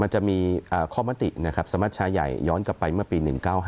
มันจะมีข้อมตินะครับสมัชชาใหญ่ย้อนกลับไปเมื่อปี๑๙๕